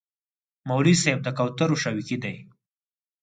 مولوي صاحب د کوترو شوقي دی.